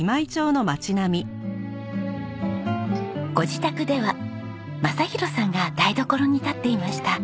ご自宅では昌弘さんが台所に立っていました。